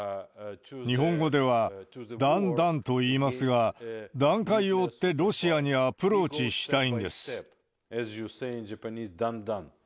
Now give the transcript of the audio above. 日本語ではだんだんといいますが、段階を追ってロシアにアプローチしたいんです。